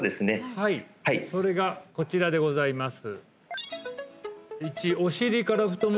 はいそれがこちらでございます